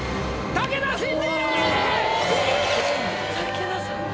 武田さんが。